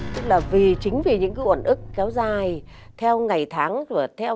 tức là chính vì những ẩn ức kéo dài theo ngày tháng theo